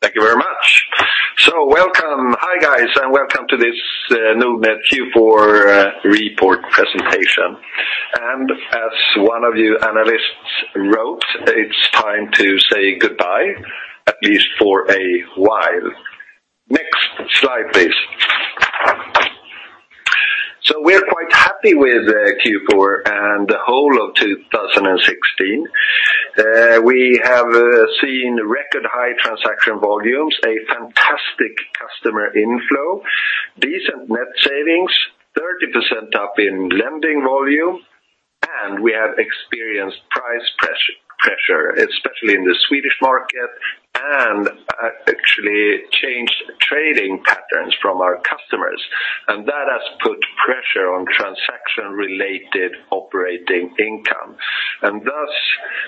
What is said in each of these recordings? Thank you very much. Hi guys, welcome to this Nordnet Q4 report presentation. As one of you analysts wrote, it's time to say goodbye, at least for a while. Next slide, please. We're quite happy with Q4 and the whole of 2016. We have seen record high transaction volumes, a fantastic customer inflow, decent net savings, 30% up in lending volume, we have experienced price pressure, especially in the Swedish market, actually changed trading patterns from our customers. That has put pressure on transaction-related operating income. Thus,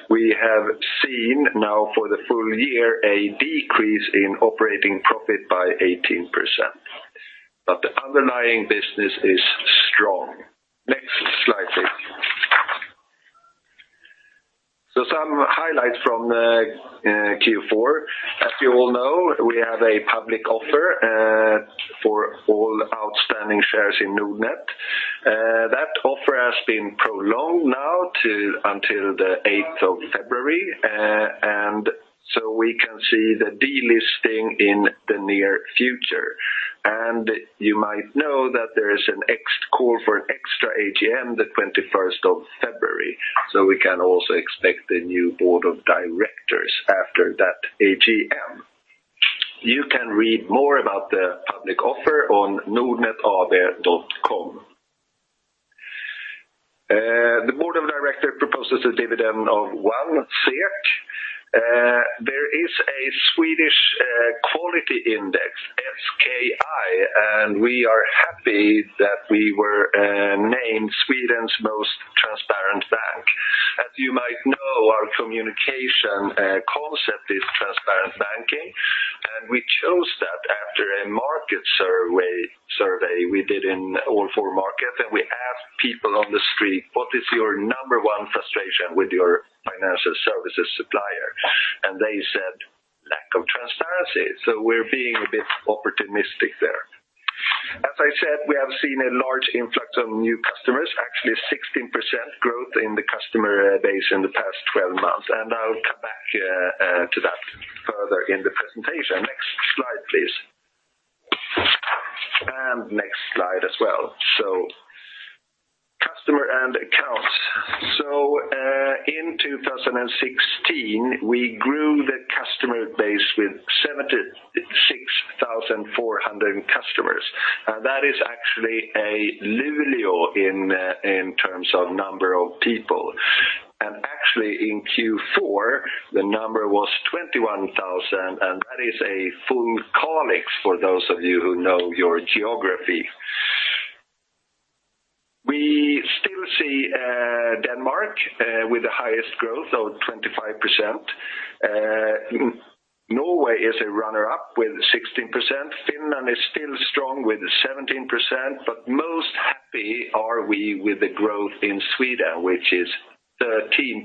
we have seen now for the full year a decrease in operating profit by 18%. The underlying business is strong. Next slide, please. Some highlights from Q4. As you all know, we have a public offer for all outstanding shares in Nordnet. That offer has been prolonged now until the 8th of February, we can see the delisting in the near future. You might know that there is a call for an extra AGM the 21st of February. We can also expect a new board of directors after that AGM. You can read more about the public offer on nordnetab.com. The board of directors proposes a dividend of 1 SEK. There is a Swedish quality index, SKI, we are happy that we were named Sweden's most transparent bank. As you might know, our communication concept is transparent banking, we chose that after a market survey we did in all four markets, we asked people on the street, "What is your number 1 frustration with your financial services supplier?" They said, "Lack of transparency." We're being a bit opportunistic there. As I said, we have seen a large influx of new customers, actually 16% growth in the customer base in the past 12 months, I'll come back to that further in the presentation. Next slide, please. Next slide as well. Customer and accounts. In 2016, we grew the customer base with 76,400 customers. That is actually a Luleå in terms of number of people. Actually in Q4, the number was 21,000, that is a full Kalix for those of you who know your geography. We still see Denmark with the highest growth of 25%. Norway is a runner-up with 16%. Finland is still strong with 17%, most happy are we with the growth in Sweden, which is 13%.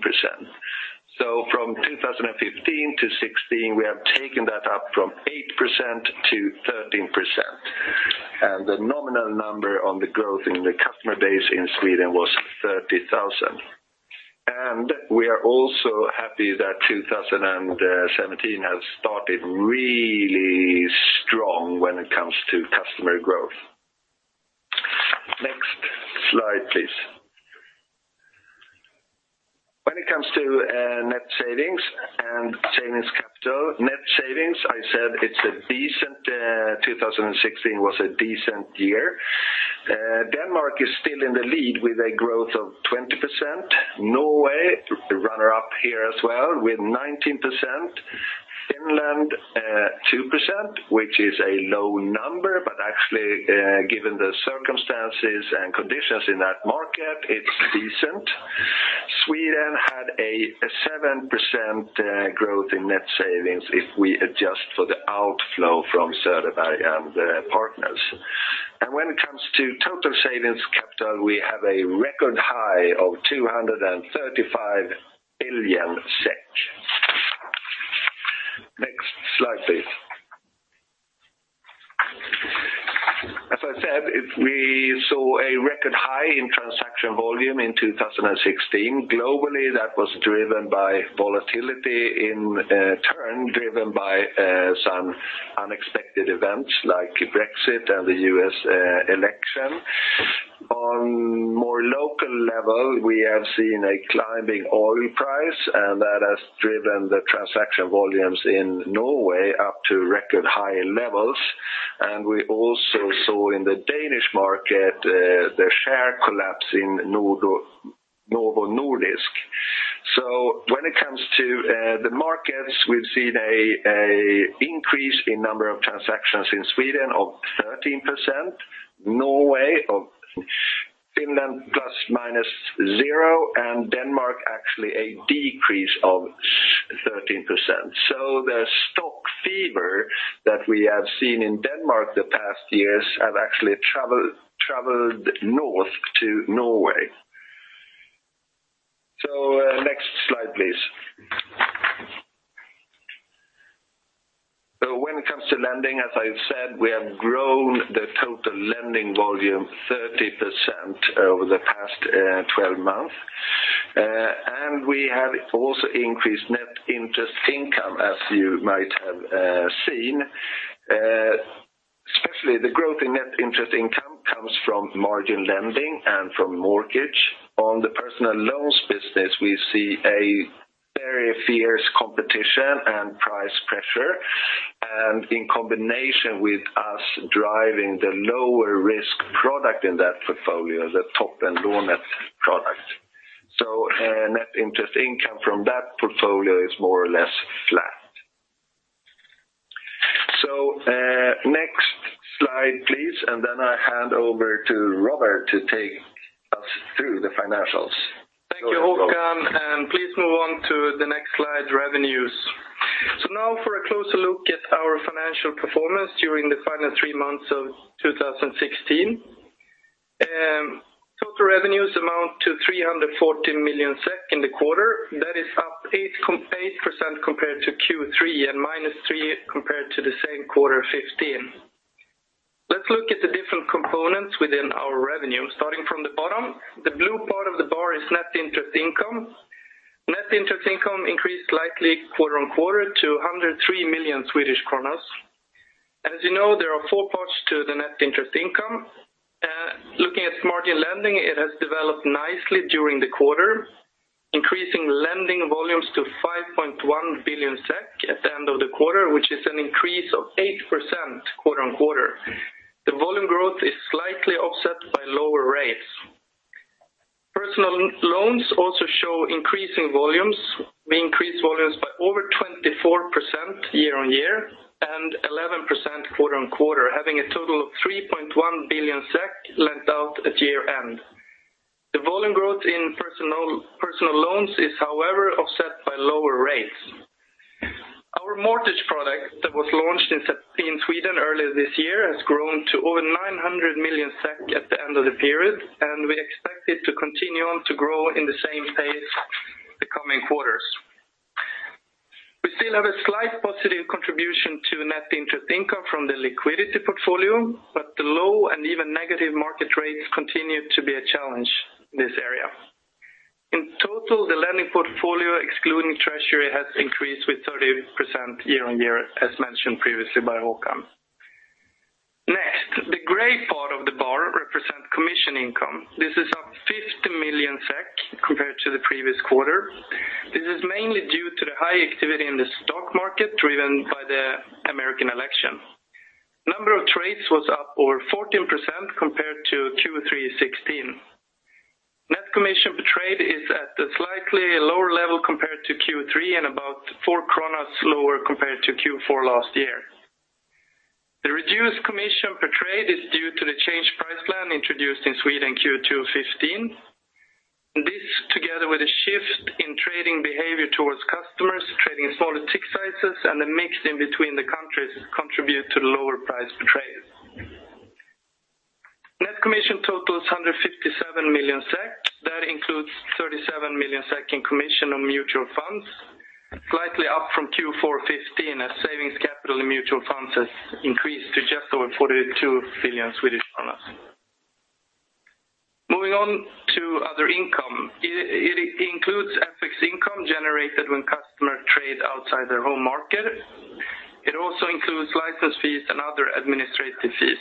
From 2015 to 2016, we have taken that up from 8% to 13%. The nominal number on the growth in the customer base in Sweden was 30,000. We are also happy that 2017 has started really strong when it comes to customer growth. Next slide, please. When it comes to net savings and savings capital, net savings, I said 2016 was a decent year. Denmark is still in the lead with a growth of 20%. Norway, the runner-up here as well with 19%. Finland, 2%, which is a low number, actually, given the circumstances and conditions in that market, it's decent. Sweden had a 7% growth in net savings if we adjust for the outflow from Söderberg & Partners. When it comes to total savings capital, we have a record high of 235 billion SEK. Next slide, please. As I said, we saw a record high in transaction volume in 2016. Globally, that was driven by volatility, in turn, driven by some unexpected events like Brexit and the U.S. election. On more local level, we have seen a climbing oil price, and that has driven the transaction volumes in Norway up to record high levels. We also saw in the Danish market, the share collapse in Novo Nordisk. When it comes to the markets, we've seen an increase in number of transactions in Sweden of 13%, Norway, Finland plus minus zero, and Denmark actually a decrease of 13%. The stock fever that we have seen in Denmark the past years have actually traveled north to Norway. Next slide, please. When it comes to lending, as I've said, we have grown the total lending volume 30% over the past 12 months. We have also increased net interest income, as you might have seen. Especially the growth in net interest income comes from margin lending and from mortgage. On the personal loans business, we see a very fierce competition and price pressure, and in combination with us driving the lower risk product in that portfolio, the Toppenlånet product. Net interest income from that portfolio is more or less flat. Next slide, please, and then I hand over to Robert to take us through the financials. Thank you, Håkan, and please move on to the next slide, revenues. Now for a closer look at our financial performance during the final three months of 2016. Total revenues amount to 340 million SEK in the quarter. That is up 8% compared to Q3 and -3% compared to the same quarter 2015. Let's look at the different components within our revenue. Starting from the bottom, the blue part of the bar is net interest income. Net interest income increased slightly quarter on quarter to 103 million. As you know, there are four parts to the net interest income. Looking at margin lending, it has developed nicely during the quarter, increasing lending volumes to 5.1 billion SEK at the end of the quarter, which is an increase of 8% quarter on quarter. The volume growth is slightly offset by lower rates. Personal loans also show increasing volumes. We increased volumes by over 24% year on year and 11% quarter on quarter, having a total of 3.1 billion SEK lent out at year-end. The volume growth in personal loans is, however, offset by lower rates. Our mortgage product that was launched in Sweden earlier this year has grown to over 900 million SEK at the end of the period, and we expect it to continue on to grow in the same pace the coming quarters. We still have a slight positive contribution to net interest income from the liquidity portfolio, but the low and even negative market rates continue to be a challenge in this area. In total, the lending portfolio, excluding treasury, has increased with 30% year on year, as mentioned previously by Håkan. Next, the gray part of the bar represents commission income. This is up 50 million SEK compared to the previous quarter. This is mainly due to the high activity in the stock market driven by the American election. Number of trades was up over 14% compared to Q3 2016. Net commission per trade is at a slightly lower level compared to Q3 and about 4 lower compared to Q4 last year. This together with a shift in trading behavior towards customers trading in smaller tick sizes and a mix in between the countries contribute to the lower price per trade. Net commission total is 157 million SEK. That includes 37 million SEK in commission on mutual funds, slightly up from Q4 2015 as savings capital in mutual funds has increased to just over 42 billion Swedish kronor. Moving on to other income. It includes FX income generated when customers trade outside their home market. It also includes license fees and other administrative fees.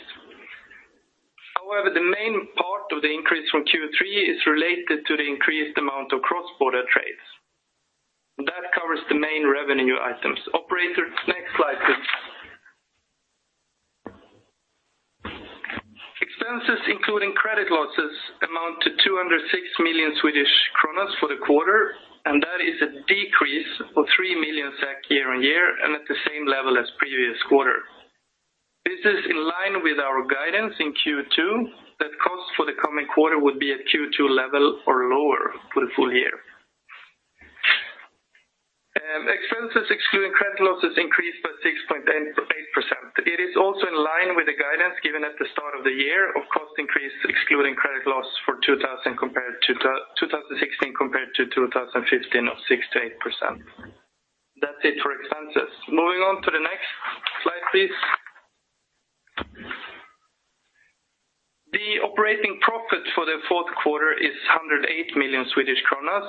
However, the main part of the increase from Q3 is related to the increased amount of cross-border trades. That covers the main revenue items. Operator, next slide, please. Expenses, including credit losses, amount to 206 million for the quarter. That is a decrease of 3 million SEK year-on-year and at the same level as previous quarter. This is in line with our guidance in Q2 that cost for the coming quarter would be at Q2 level or lower for the full year. Expenses excluding credit losses increased by 6.8%. It is also in line with the guidance given at the start of the year of cost increase excluding credit loss for 2016 compared to 2015 of 6%-8%. That's it for expenses. Moving on to the next slide, please. The operating profit for the fourth quarter is 108 million Swedish kronor,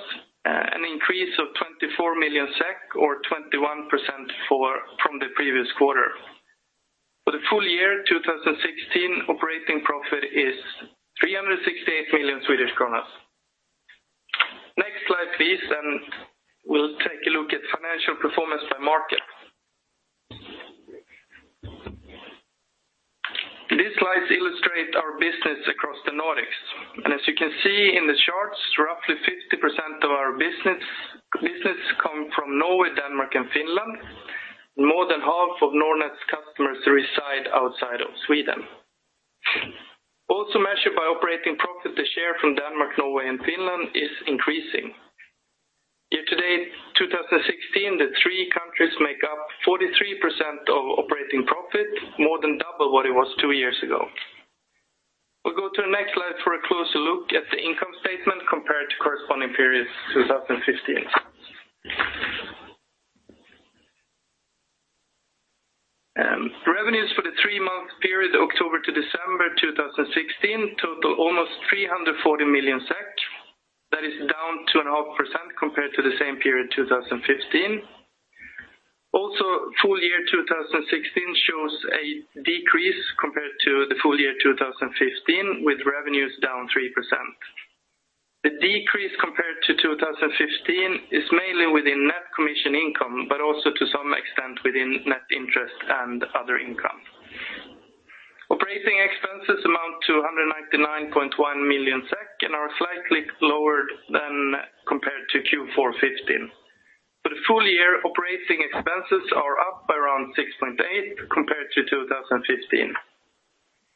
an increase of 24 million SEK or 21% from the previous quarter. For the full year 2016, operating profit is 368 million Swedish kronor. Next slide, please. We'll take a look at financial performance by market. These slides illustrate our business across the Nordics. As you can see in the charts, roughly 50% of our business come from Norway, Denmark and Finland. More than half of Nordnet's customers reside outside of Sweden. Also measured by operating profit, the share from Denmark, Norway and Finland is increasing. Year to date 2016, the three countries make up 43% of operating profit, more than double what it was two years ago. Go to the next slide for a closer look at the income statement compared to corresponding periods 2015. Revenues for the three-month period, October to December 2016, total almost 340 million SEK. That is down 2.5% compared to the same period 2015. Full year 2016 shows a decrease compared to the full year 2015, with revenues down 3%. The decrease compared to 2015 is mainly within net commission income. Also to some extent within net interest and other income. Operating expenses amount to 199.1 million SEK and are slightly lower than compared to Q4 2015. For the full year, operating expenses are up by around 6.8% compared to 2015.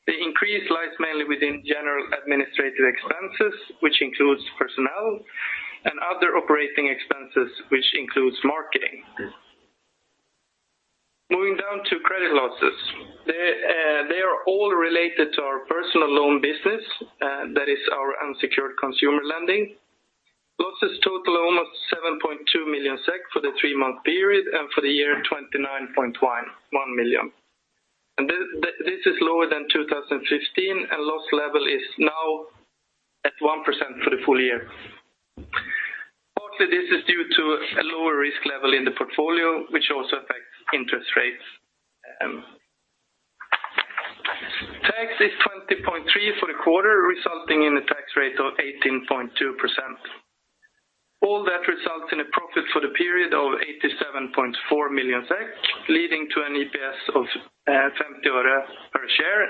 The increase lies mainly within general administrative expenses, which includes personnel and other operating expenses, which includes marketing. Moving down to credit losses. They are all related to our personal loan business, that is our unsecured consumer lending. Losses total almost 7.2 million SEK for the three-month period, and for the year, 29.1 million. This is lower than 2015, and loss level is now at 1% for the full year. Partly, this is due to a lower risk level in the portfolio, which also affects interest rates. Tax is 20.3 for the quarter, resulting in a tax rate of 18.2%. All that results in a profit for the period of 87.4 million SEK, leading to an EPS of SEK 0.50 per share.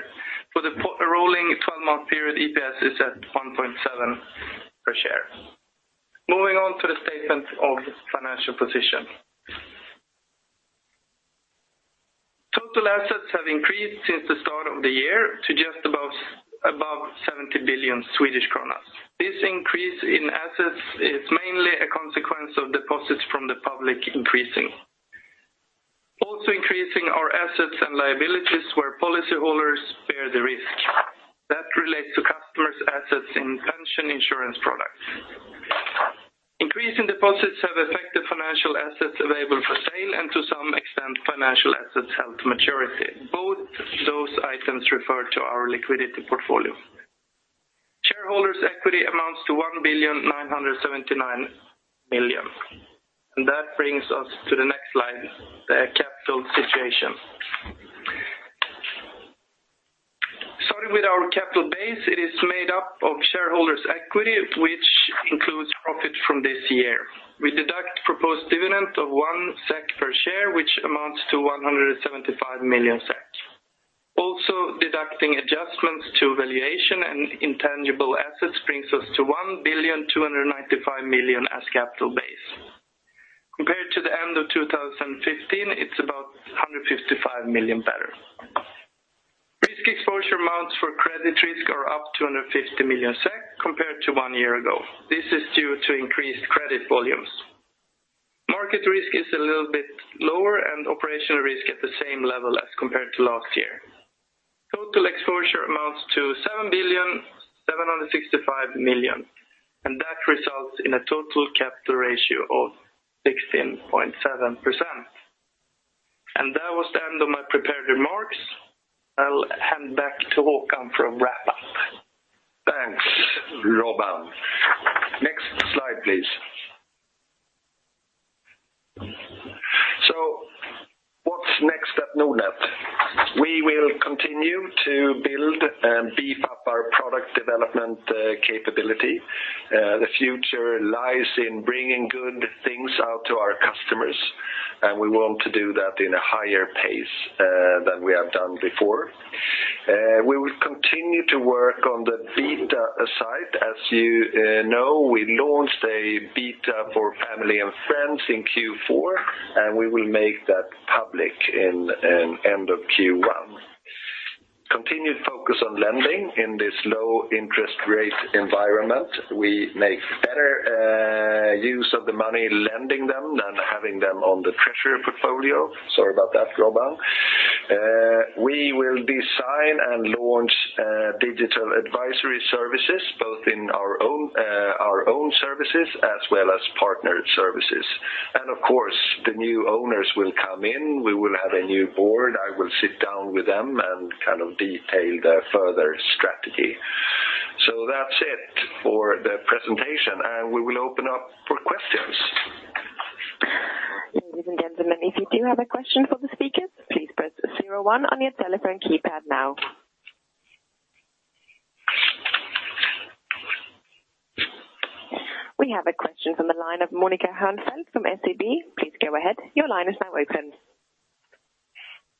For the rolling 12-month period, EPS is at 1.7 per share. Moving on to the statement of financial position. Total assets have increased since the start of the year to just above 70 billion Swedish kronor. This increase in assets is mainly a consequence of deposits from the public increasing. Also increasing are assets and liabilities where policyholders bear the risk. That relates to customers' assets in pension insurance products. Increase in deposits have affected financial assets available for sale, and to some extent, financial assets held to maturity. Both those items refer to our liquidity portfolio. Shareholders' equity amounts to 1.979 billion. That brings us to the next slide, the capital situation. Starting with our capital base, it is made up of shareholders' equity, which includes profit from this year. We deduct proposed dividend of 1 SEK per share, which amounts to 175 million SEK. Also deducting adjustments to valuation and intangible assets brings us to 1.295 billion as capital base. Compared to the end of 2015, it's about 155 million better. Risk exposure amounts for credit risk are up 250 million SEK compared to one year ago. This is due to increased credit volumes. Market risk is a little bit lower and operational risk at the same level as compared to last year. Total exposure amounts to 7.765 billion, that results in a total capital ratio of 16.7%. That was the end of my prepared remarks. I'll hand back to Håkan for a wrap-up. Thanks, Robert. Next slide, please. What's next at Nordnet? We will continue to build and beef up our product development capability. The future lies in bringing good things out to our customers, and we want to do that in a higher pace than we have done before. We will continue to work on the beta site. As you know, we launched a beta for family and friends in Q4, and we will make that public in end of Q1. Continued focus on lending in this low interest rate environment. We make better use of the money lending them than having them on the treasury portfolio. Sorry about that, Robert. We will design and launch digital advisory services, both in our own services as well as partnered services. Of course, the new owners will come in. We will have a new board. I will sit down with them and detail their further strategy. That's it for the presentation, we will open up for questions. Ladies and gentlemen, if you do have a question for the speakers, please press 01 on your telephone keypad now. We have a question from the line of Monika Hernfeldt from SEB. Please go ahead. Your line is now open.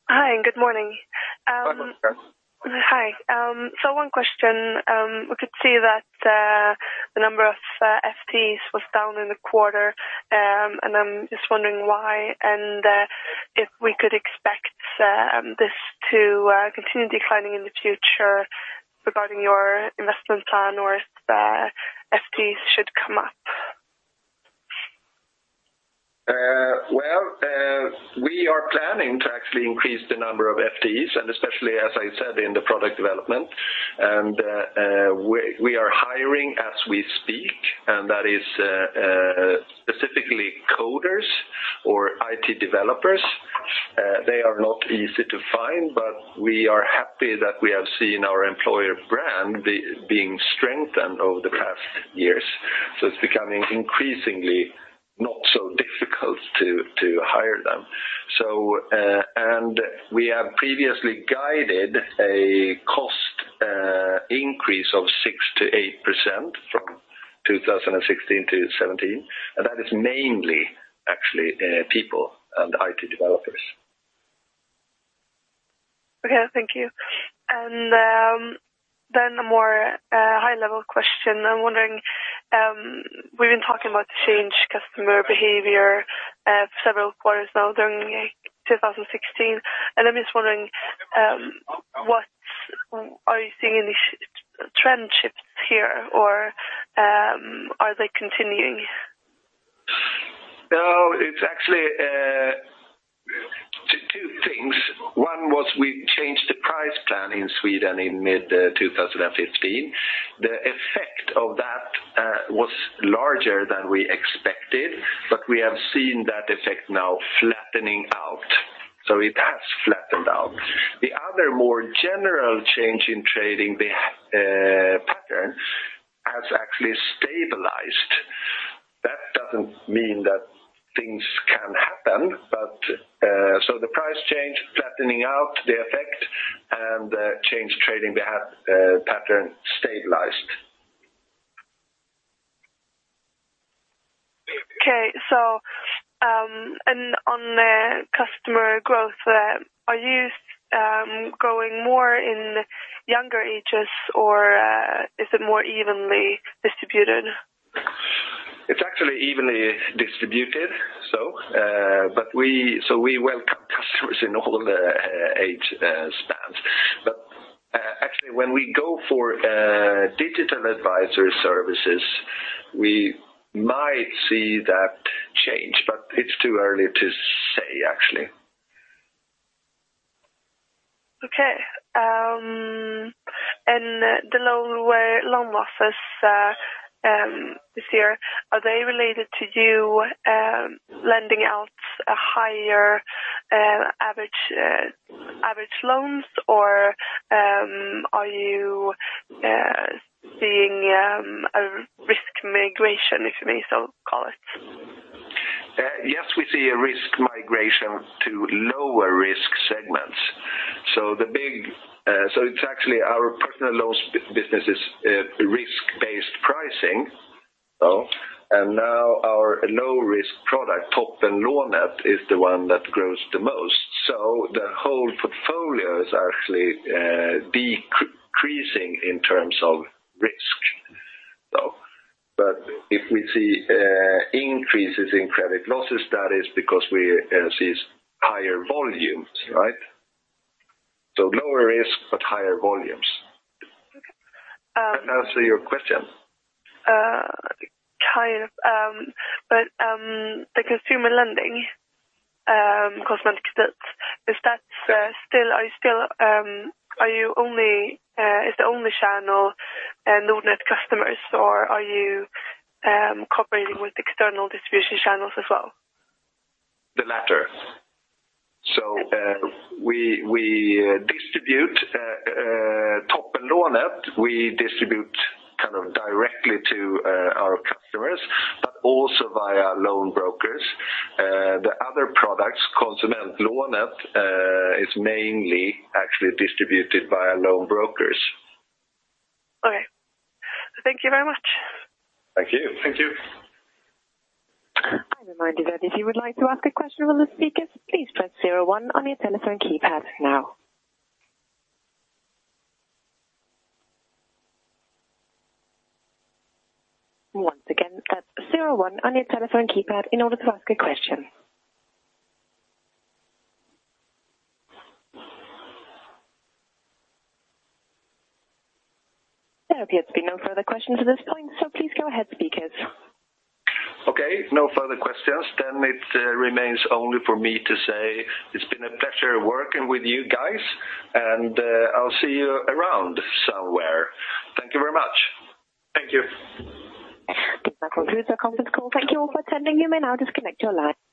Hi, good morning. Hi, Monika. Hi. One question. We could see that the number of FTEs was down in the quarter, I'm just wondering why and if we could expect this to continue declining in the future regarding your investment plan or if FTEs should come up We are planning to actually increase the number of FTEs, especially, as I said, in the product development. We are hiring as we speak, that is specifically coders or IT developers. They are not easy to find, we are happy that we have seen our employer brand being strengthened over the past years. It's becoming increasingly not so difficult to hire them. We have previously guided a cost increase of 6%-8% from 2016 to 2017. That is mainly actually people and IT developers. Okay, thank you. Then a more high-level question. I'm wondering, we've been talking about the change customer behavior several quarters now during 2016, I'm just wondering, are you seeing any trend shifts here or are they continuing? No, it's actually two things. One was we changed the price plan in Sweden in mid 2015. The effect of that was larger than we expected, we have seen that effect now flattening out. It has flattened out. The other more general change in trading pattern has actually stabilized. That doesn't mean that things can't happen, the price change flattening out the effect and the change trading pattern stabilized. Okay. On the customer growth, are you growing more in younger ages or is it more evenly distributed? It's actually evenly distributed. We welcome customers in all the age spans. Actually, when we go for digital advisory services, we might see that change, but it's too early to say, actually. Okay. The loan losses this year, are they related to you lending out a higher average loans, or are you seeing a risk migration, if may so call it? Yes, we see a risk migration to lower risk segments. It's actually our personal loans business is risk-based pricing. Now our low risk product, Toppenlånet, is the one that grows the most. The whole portfolio is actually decreasing in terms of risk. If we see increases in credit losses, that is because we see higher volumes, right? Lower risk, but higher volumes. Okay. That answer your question? Kind of. The consumer lending, Konsumentkredit, is the only channel Nordnet customers, or are you cooperating with external distribution channels as well? The latter. We distribute Toppenlånet, we distribute directly to our customers, but also via loan brokers. The other products, Konsumentlånet is mainly actually distributed via loan brokers. Okay. Thank you very much. Thank you. Thank you. I remind you that if you would like to ask a question of the speakers, please press zero one on your telephone keypad now. Once again, that's zero one on your telephone keypad in order to ask a question. There appear to be no further questions at this point, please go ahead, speakers. Okay, no further questions. It remains only for me to say it's been a pleasure working with you guys, and I'll see you around somewhere. Thank you very much. Thank you. That concludes our conference call. Thank you all for attending. You may now disconnect your line.